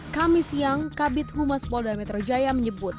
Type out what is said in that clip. kami siang kabit humas polda metro jaya menyebut